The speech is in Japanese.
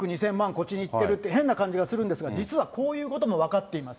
こっちにいってるって、変な感じがするんですが、実は、こういうことも分かっています。